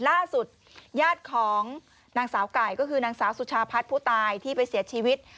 ล่าสุดญาติของนางสาวไก่ก็คือนางสาวสุชาพัฒน์ผู้ตายที่ไปเสียชีวิต